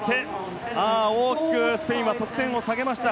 大きくスペインは得点を下げました。